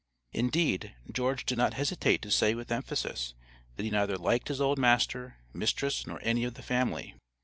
Indeed, George did not hesitate to say with emphasis, that he neither liked his old master, mistress, nor any of the family.